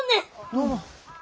どうも。